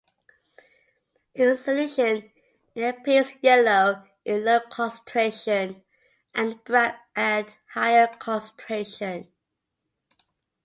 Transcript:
In solution, it appears yellow in low concentration, and brown at higher concentration.